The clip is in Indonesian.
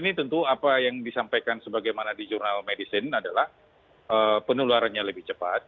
ini tentu apa yang disampaikan sebagaimana di jurnal medicine adalah penularannya lebih cepat